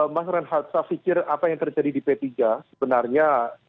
mas renhat saya pikir apa yang terjadi di p tiga sebenarnya